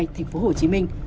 thành phố hồ chí minh